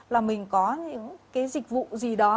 là mình có những cái dịch vụ gì đó